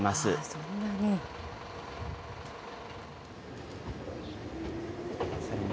そんなに。